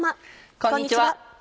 こんにちは。